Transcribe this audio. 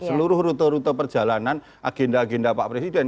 seluruh rute rute perjalanan agenda agenda pak presiden